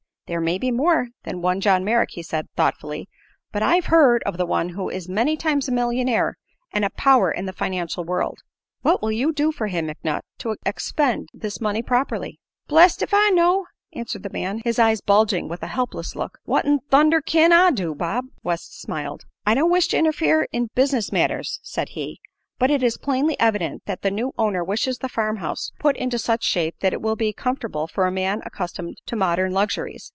"There may be more than one John Merrick," he said, thoughtfully. "But I've heard of one who is many times a millionaire and a power in the financial world. What will you do for him, McNutt, to expend this money properly?" "Bless't if I know!" answered the man, his eyes bulging with a helpless look. "What 'n thunder kin I do, Bob?" West smiled. "I don't wish to interfere in business matters," said he, "but it is plainly evident that the new owner wishes the farm house put into such shape that it will be comfortable for a man accustomed to modern luxuries.